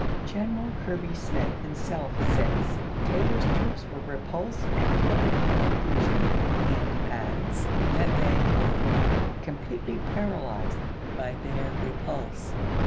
Greneral Kirby Smith himself says, " Taylor's "Battles troops were repulsed and thrown into confusion," Leaders." and adds that they were " completely paralyzed " p. 372." by their repulse.